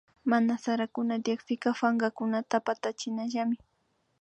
Mana sarakuna tyakpika pankakunata patachinallami